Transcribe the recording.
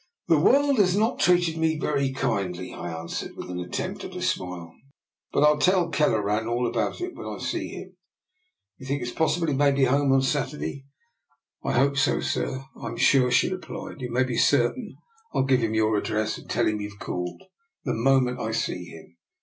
" The world has not treated me very kind ly," I answered, with an attempt at a smile, "but I'll tell Kelleran all about it when I. see him. You think it is possible he may be home on Saturday? "" I hope so, sir, I'm sure," she replied. " You may be certain Fll give him your ad dress, and tell him you've called, the moment I see him."